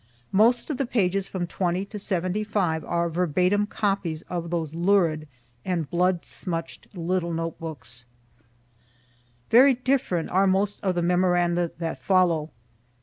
Most of the pages from 20 to 75 are verbatim copies of those lurid and blood smuch'd little notebooks. Very different are most of the memoranda that follow.